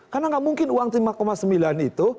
karena gak mungkin uang lima sembilan itu